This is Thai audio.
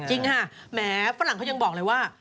จริงค่ะแหมฝรั่งเขายังบอกเลยว่า